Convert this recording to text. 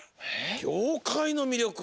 ようかいのみりょく？